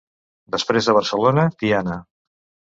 Després de Barcelona, Tiana.